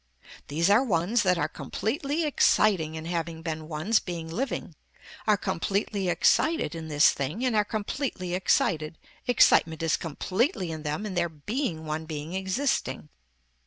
These are ones that are completely exciting in having been ones being living, are completely excited in this thing and are completely excited, excitement is completely in them in their being one being existing.